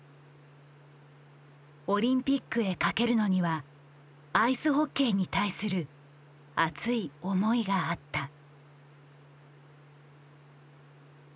オリンピックへかけるのにはアイスホッケーに対する熱い思いがあった。